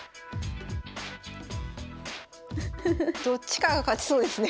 どっちかが勝ちそうですね